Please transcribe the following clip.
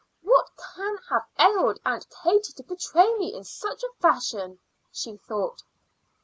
"What can have ailed Aunt Katie to betray me in such a fashion?" she thought.